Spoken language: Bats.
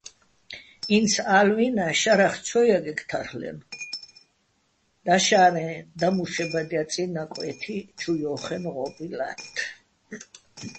ინც ა́ლვინა შარახ ცო ჲაგე̆ თარლ'ენო̆, დაშა́რე, დამუშებადჲაწიჼ ნაკვე́თი, ჩუ ჲო́ხენო̆ ღო́ბი ლა́თთ.